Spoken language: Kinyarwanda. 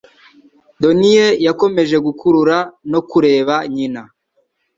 Donnie yakomeje gukurura no kureba nyina.